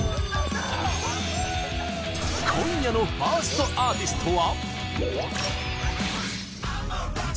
今夜のファーストアーティストは。